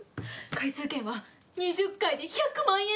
回数券は２０回で１００万円です。